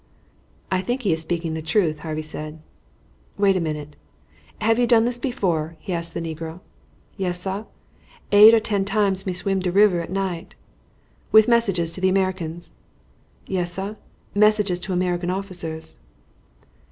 "I think he is speaking the truth," Harvey said. "Wait a minute. Have you done this before?" he asked the negro. "Yes, sar. Eight or ten times me swim de river at night." "With messages to the Americans?" "Yes, sar; messages to American officers."